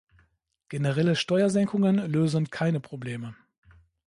Generelle Steuersenkungen lösen keine Probleme.